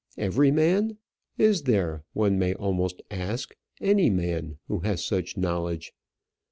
Every man! Is there, one may almost ask, any man who has such knowledge?